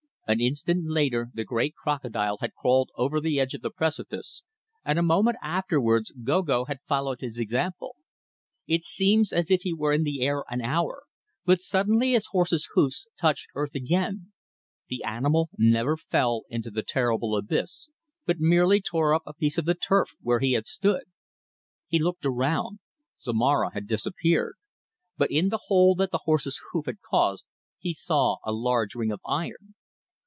"An instant later the great crocodile had crawled over the edge of the precipice, and a moment afterwards Gogo had followed his example. It seemed as if he were in the air an hour, but suddenly his horse's hoofs touched earth again; the animal never fell into the terrible abyss, but merely tore up a piece of the turf where he had stood. He looked around; Zomara had disappeared, but in the hole that the horse's hoof had caused he saw a large ring of iron.